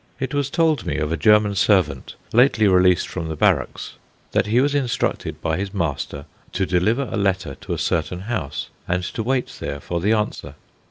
It was told me of a German servant, lately released from the barracks, that he was instructed by his master to deliver a letter to a certain house, and to wait there for the answer.